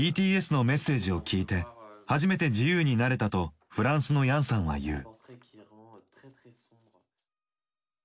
ＢＴＳのメッセージを聞いて初めて自由になれたとフランスのヤンさんは言う。